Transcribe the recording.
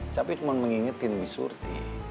tapi cuma mengingetin bi surti